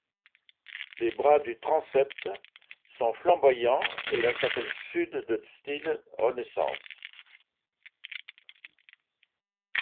Les bras du transept sont flamboyants et la chapelle sud de style Renaissance.